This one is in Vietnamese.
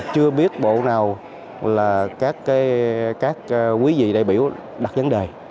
chưa biết bộ nào là các quý vị đại biểu đặt vấn đề